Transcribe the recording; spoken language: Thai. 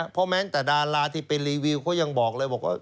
เพราะแม้แต่ดาราที่เป็นรีวิวเขายังบอกเลยบอกว่า